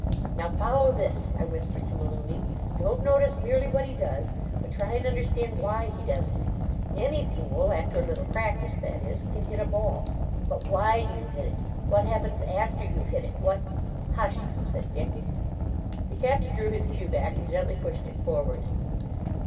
"Now follow this," I whispered to Malooney. "Don't notice merely what he does, but try and understand why he does it. Any fool—after a little practice, that is—can hit a ball. But why do you hit it? What happens after you've hit it? What—" "Hush," said Dick. The Captain drew his cue back and gently pushed it forward.